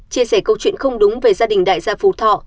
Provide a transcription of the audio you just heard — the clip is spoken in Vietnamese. chia sẻ câu chuyện không đúng về gia đình đại gia phú thọ